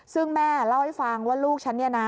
ซึ่งแม่เล่าให้ฟังว่าลูกฉัน